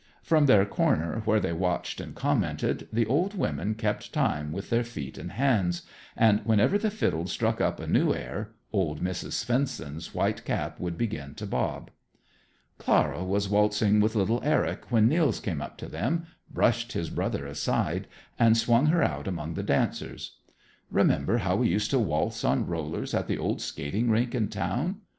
From their corner where they watched and commented, the old women kept time with their feet and hands, and whenever the fiddles struck up a new air old Mrs. Svendsen's white cap would begin to bob. Clara was waltzing with little Eric when Nils came up to them, brushed his brother aside, and swung her out among the dancers. "Remember how we used to waltz on rollers at the old skating rink in town?